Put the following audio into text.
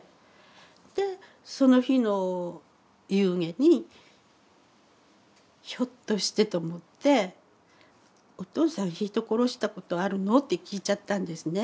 でその日の夕げにひょっとしてと思って「お父さん人殺したことあるの？」って聞いちゃったんですね。